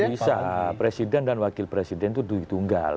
tidak bisa presiden dan wakil presiden itu tunggal